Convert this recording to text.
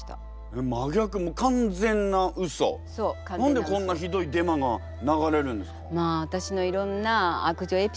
何でこんなひどいデマが流れるんですか？